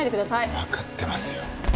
わかってますよ。